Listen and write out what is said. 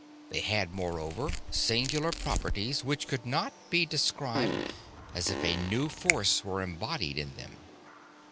They had, moreover, singular properties which could not be described, as if a new force were embodied in them.